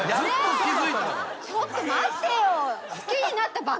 ちょっと待ってよ。